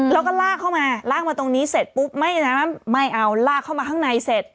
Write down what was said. แล้วก็ลากเข้ามาลากมาตรงนี้เสร็จปุ๊บไม่เอาลากเข้ามาข้างในเสร็จ